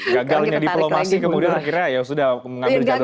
gagalnya diplomasi kemudian akhirnya ya sudah mengambil jadwal perang